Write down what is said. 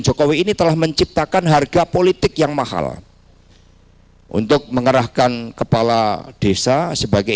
jokowi ini telah menciptakan harga politik yang mahal untuk mengerahkan kepala desa sebagai